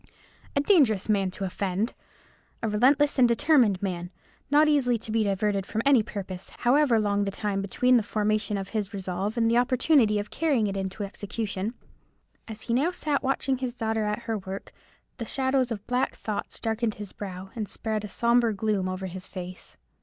A dangerous man to offend! A relentless and determined man; not easily to be diverted from any purpose, however long the time between the formation of his resolve and the opportunity of carrying it into execution. As he sat now watching his daughter at her work, the shadows of black thoughts darkened his brow, and spread a sombre gloom over his face.